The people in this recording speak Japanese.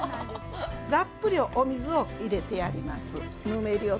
ざっぷりお水を入れてやります。